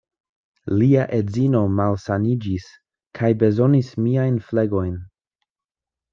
Lia edzino malsaniĝis kaj bezonis miajn flegojn.